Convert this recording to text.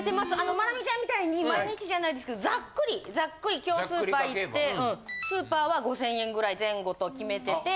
マナミちゃんみたいに毎日じゃないですけどざっくり今日スーパーいってスーパーは５０００円ぐらい前後と決めててて。